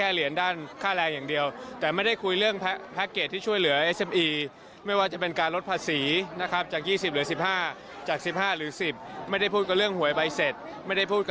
หักภาษีได้๒เท่าใน๒ปีแรก